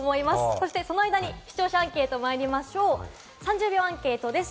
そしてその間に視聴者アンケートにまいりましょう、３０秒アンケートです。